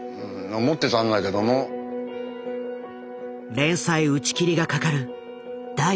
連載打ち切りがかかる第４話。